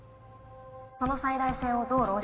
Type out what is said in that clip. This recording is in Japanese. その最大性をどう論証